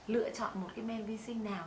lựa chọn một cái men vi sinh nào